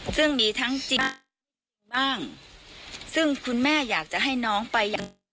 ซึ่งมีทั้งจริงบ้างซึ่งคุณแม่อยากจะให้น้องไปอย่าง